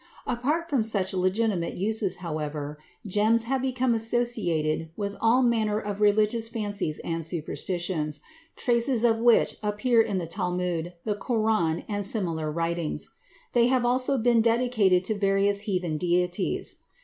Apart from such legitimate uses, however, gems have become associated with all manner of religious fancies and superstitions, traces of which appear in the Talmud, the Koran, and similar writings; they have also been dedicated to various heathen deities.